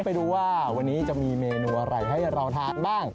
ไปดูว่าวันนี้จะมีเมนูอะไรให้เราทานบ้าง